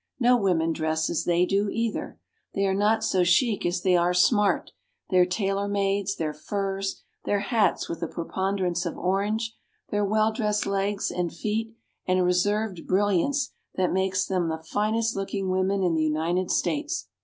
No women dress as they do either. They are not so chic as they are smart; their tailor mades, their furs, their hats with a preponderance of orange, their well dressed legs and feet and a reserved brilliance that makes them the finest looking women in the United States.